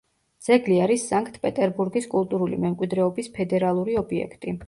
ძეგლი არის სანქტ-პეტერბურგის კულტურული მემკვიდრეობის ფედერალური ობიექტი.